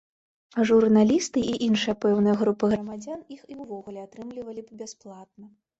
А журналісты і іншыя пэўныя групы грамадзян іх і ўвогуле атрымлівалі б бясплатна.